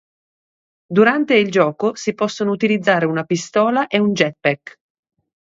Durante il gioco si possono utilizzare una pistola e un jetpack.